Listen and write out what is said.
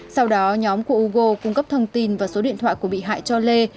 sau đó nhóm của googo cung cấp thông tin và số điện thoại của bị hại cho lê